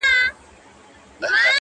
زلفي راټال سي گراني ,